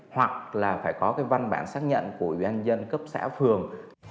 hoặc là phải có văn bản xác nhận của doanh nghiệp cấp xã phường